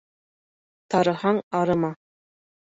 Тарыһаң арыма.